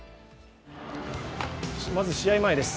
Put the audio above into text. まず試合前です。